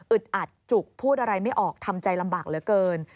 อัดจุกพูดอะไรไม่ออกทำใจลำบากเหลือเกิน